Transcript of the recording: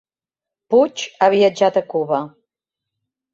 Puig ha viatjat a Cuba